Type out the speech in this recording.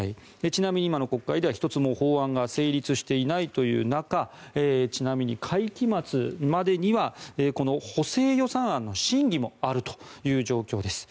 ちなみに今の国会では１つも法案が成立していないという中ちなみに会期末までにはこの補正予算案の審議もあるという状況です。